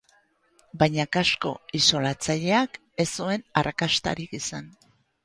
Baina kasko isolatzaileak ez zuen arrakastarik izan.